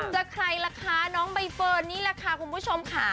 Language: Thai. ใครล่ะคะน้องใบเฟิร์นนี่แหละค่ะคุณผู้ชมค่ะ